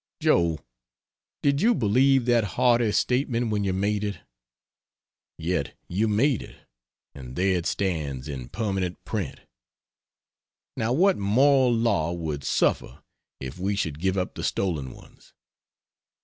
Joe, did you believe that hardy statement when you made it? Yet you made it, and there it stands in permanent print. Now what moral law would suffer if we should give up the stolen ones?